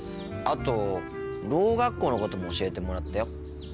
あとろう学校のことも教えてもらったよ。